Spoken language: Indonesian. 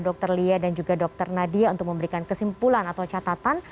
dr lia dan juga dr nadia untuk memberikan kesimpulan atau catatan